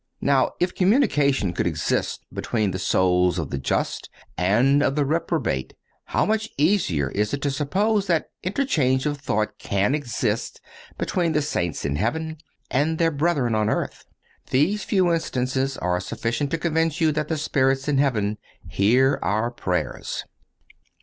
Now, if communication could exist between the souls of the just and of the reprobate, how much easier is it to suppose that interchange of thought can exist between the saints in heaven and their brethren on earth? These few instances are sufficient to convince you that the spirits in heaven hear our prayers.